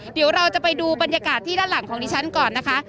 เดี๋ยวเราจะไปดูบรรยากาศที่ด้านหลังของดิฉันก่อนนะคะ